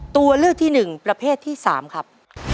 ตัวเลือกที่๑ประเภทที่๓ครับ